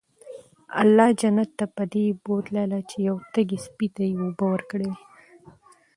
الله جنت ته پدې بوتله چې يو تږي سپي ته ئي اوبه ورکړي وي